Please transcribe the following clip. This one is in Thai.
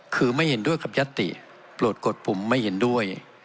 คือไม่เห็นด้วยกับยัตติโปรดกฎผมไม่เห็นด้วย